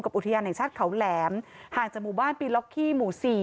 อุทยานแห่งชาติเขาแหลมห่างจากหมู่บ้านปีล็อกขี้หมู่๔